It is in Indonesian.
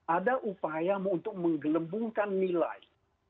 ada upaya untuk menggelembungkan nilai